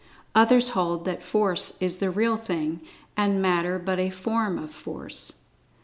Others hold that Force is the "real thing" and Matter but a form of Force.